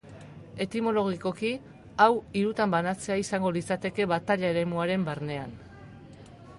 Etimologikoki, hau hirutan banatzea izango litzateke bataila-eremuaren barnean.